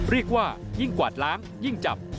เรียกว่ายิ่งกวาดล้างยิ่งจับ